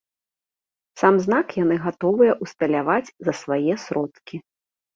Сам знак яны гатовыя ўсталяваць за свае сродкі.